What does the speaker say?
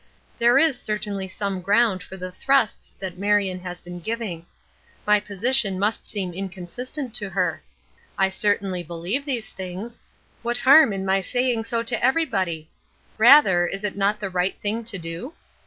There is certainly some ground for the thrusts that Marion has been giving. My position must seem inconsistent to her. I certainly believe these things. What harm in my saying so to everybody? Rather, is it not the right thing to do?